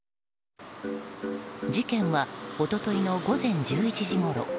事件は一昨日の午前１１時ごろ。